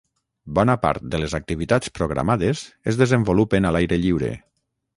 bona part de les activitats programades es desenvolupen a l'aire lliure